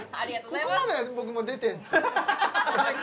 ここまでは出てるんです